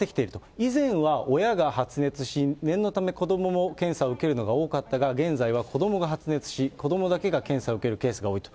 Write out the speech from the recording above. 以前は親が発熱し、念のため子どもも検査を受けるのが多かったが、現在は子どもが発熱し、子どもだけが検査を受けるケースが多いと。